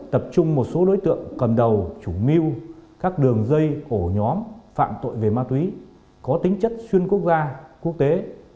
tập trung một số đối tượng cầm đầu chủ mưu các đường dây ổ nhóm phạm tội về ma túy có tính chất xuyên quốc gia quốc tế